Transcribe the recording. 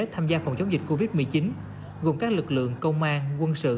tham gia phòng chống dịch covid một mươi chín gồm các lực lượng công an quân sự